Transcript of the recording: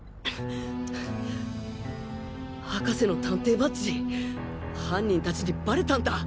博士の探偵バッジ犯人達にバレたんだ